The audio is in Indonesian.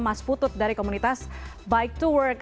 mas putut dari komunitas bike to work